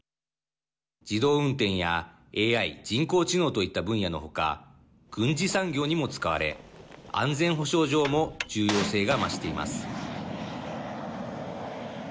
自動運転やＡＩ＝人工知能といった分野の他軍事産業にも使われ安全保障上も重要性が増しています。